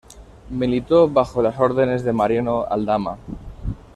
Militó bajo las órdenes de Mariano Aldama.